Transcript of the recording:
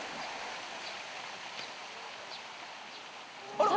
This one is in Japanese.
あら！